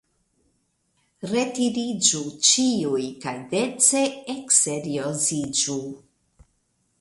Retiriĝu, ĉiuj, kaj dece ekserioziĝu.